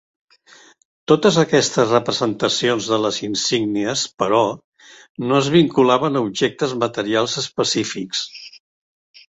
Totes aquestes representacions de les insígnies però, no es vinculaven a objectes materials específics.